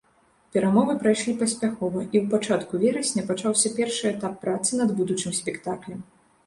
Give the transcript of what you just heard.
Перамовы прайшлі паспяхова, і ў пачатку верасня пачаўся першы этап працы над будучым спектаклем.